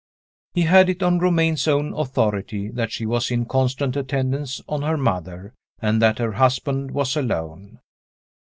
He had it on Romayne's own authority that she was in constant attendance on her mother, and that her husband was alone.